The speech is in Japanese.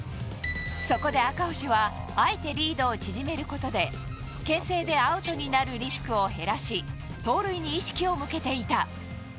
そこで、赤星はあえてリードを縮めることで牽制でアウトになるリスクを減らし盗塁に意識を向けていた。